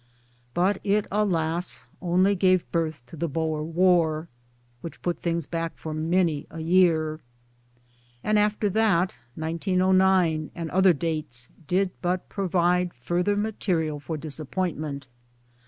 'But it alas ! only gave birth to the Boer ,War which put things back for many a year. And after that 1909 and other dates did but provide further material for dis appointment.